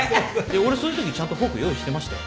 俺そういうときちゃんとフォーク用意してましたよ。